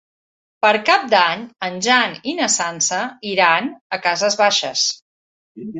Per Cap d'Any en Jan i na Sança iran a Cases Baixes.